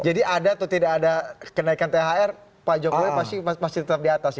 jadi ada atau tidak ada kenaikan thr pak jokowi pasti tetap di atas